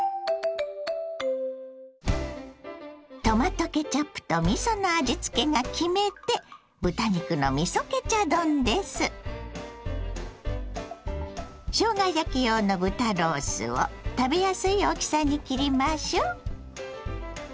トマトケチャップとみその味付けが決め手しょうが焼き用の豚ロースを食べやすい大きさに切りましょう。